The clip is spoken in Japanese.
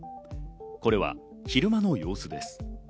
これは昼間の様子です。